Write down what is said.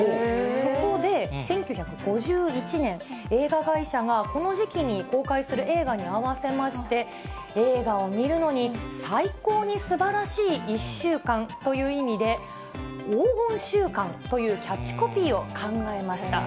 そこで１９５１年、映画会社がこの時期に公開する映画に合わせまして、映画を見るのに最高にすばらしい１週間という意味で、黄金週間というキャッチコピーを考えました。